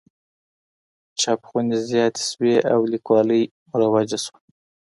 چاپخونې زياتې شوې او ليکوالۍ مروج شوه.